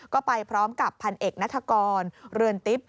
ก็ไปพร้อมกับพันเอกนัฐกรเรือนติ๊บ